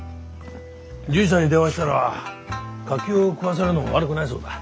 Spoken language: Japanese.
獣医さんに電話したら柿を食わせるのも悪くないそうだ。